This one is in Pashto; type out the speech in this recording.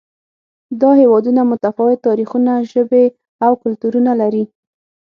دا هېوادونه متفاوت تاریخونه، ژبې او کلتورونه لري.